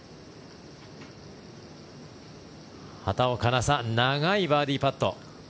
畑岡奈紗長いバーディーパット。